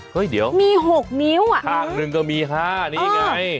เฮ้ยเดี๋ยวภาคนึงก็มีค่ะนี่ไง